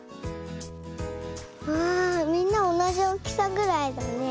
わあみんなおなじおおきさぐらいだね。